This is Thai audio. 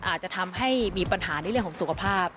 อาจจะทำให้มีปัญหาในเรื่องของสุขภาพ